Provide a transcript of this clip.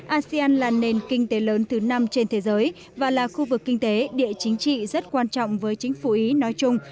asean là nền kinh tế lớn thứ năm trên thế giới và là khu vực kinh tế địa chính trị rất quan trọng với chính phủ ý nói chung